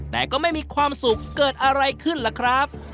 แต่ก็ไม่มีความสุขเกิดอะไรขึ้นล่ะครับ